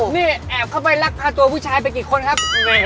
เนี่ยแอบเข้าไปรักพลาดวิชัยไปกี่คนครับ